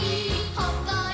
「ほっこり」